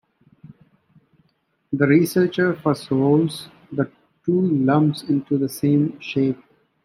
The researcher first rolls the two lumps into the same shape.